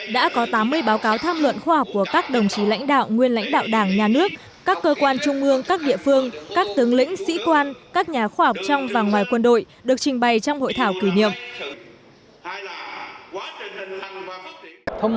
đã có tám mươi báo cáo tham luận khoa học của các đồng chí lãnh đạo nguyên lãnh đạo đảng nhà nước các cơ quan trung ương các địa phương các tướng lĩnh sĩ quan các nhà khoa học trong và ngoài quân đội được trình bày trong hội thảo kỷ niệm